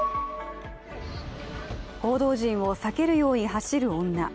報道陣を避けるように走る女。